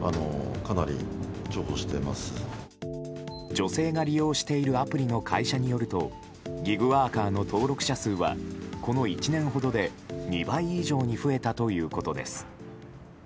女性が利用しているアプリの会社によるとギグワーカーの登録者数はこの１年ほどで２倍以上に増えたということです。